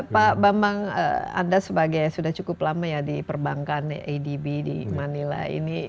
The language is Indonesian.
pak bambang anda sebagai sudah cukup lama ya di perbankan adb di manila ini